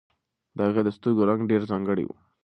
د هغې د سترګو رنګ ډېر ځانګړی و.